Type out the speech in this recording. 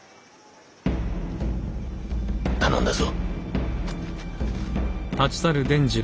頼んだぞ。